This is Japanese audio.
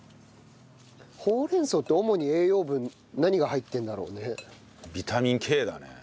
ほうれん草って主に栄養分何が入ってるんだろうね？